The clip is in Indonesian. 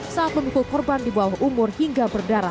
saat memukul korban di bawah umur hingga berdarah